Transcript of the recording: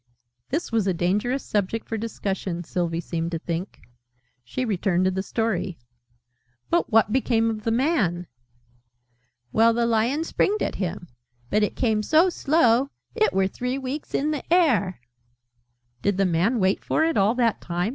This was a dangerous subject for discussion, Sylvie seemed to think. She returned to the Story. "But what became of the Man?" "Well, the Lion springed at him. But it came so slow, it were three weeks in the air " "Did the Man wait for it all that time?"